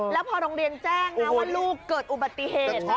แล้วพอโรงเรียนแจ้งนะว่าลูกเกิดอุบัติเหตุ